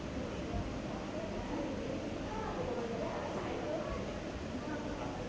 สวัสดีครับสวัสดีครับ